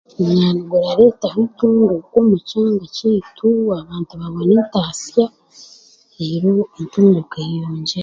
Omwaani guraretaho entunguka omu kyanga kyeitu abantu babone entaasya reero entuguka eyeyongyere.